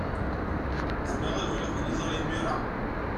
Zemreɣ ad waliɣ tiliẓri imir-a?